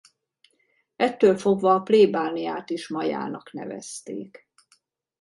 Ettől fogva a plébániát is Majának nevezték.